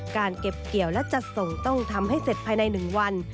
การเก็บเกี่ยวและจัดส่งต้องทำให้เสร็จภายใน๑วัน